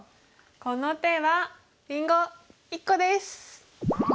この手はりんご１個です！